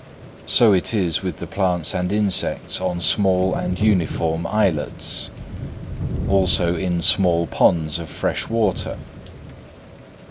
So it is with the plants and insects on small and uniform islets: also in small ponds of fresh water.